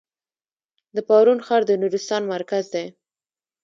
د پارون ښار د نورستان مرکز دی